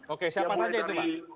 oke siapa saja itu pak